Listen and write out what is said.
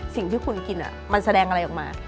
สิ่งที่คุณกินมันแสดงอะไรออกมา